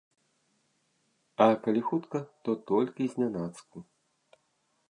А калі хутка, то толькі знянацку.